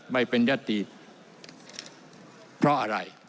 ไม่เป็นยติเพราะอะไร